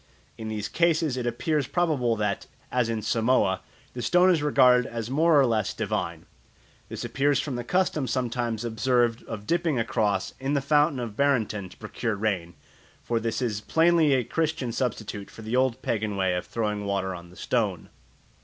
In these cases it appears probable that, as in Samoa, the stone is regarded as more or less divine. This appears from the custom sometimes observed of dipping a cross in the Fountain of Barenton to procure rain, for this is plainly a Christian substitute for the old pagan way of throwing water on the stone.